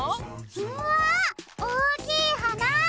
うわおおきいはな！